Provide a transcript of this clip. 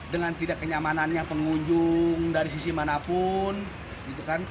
dengan tidak kenyamanannya pengunjung dari sisi manapun